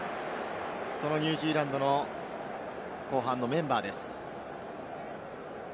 そのニュージーランドの後半のメンバーです。